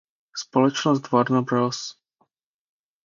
Společnost Warner Bros.